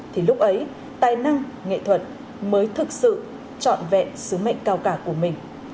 thì lúc ấy tài năng nghệ thuật mới thực sự trọn vẹn sứ mệnh cao cả của mình